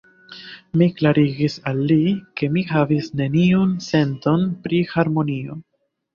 Mi klarigis al li, ke mi havis neniun senton pri harmonio.